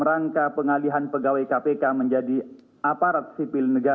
agak penting dahulu kematian pada lesak